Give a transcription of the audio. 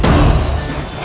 tidak ada masalah